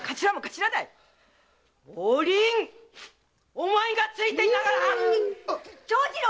お前がついていながら‼長次郎！